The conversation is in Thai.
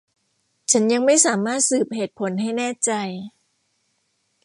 ฉันยังไม่สามารถสืบเหตุผลให้แน่ใจ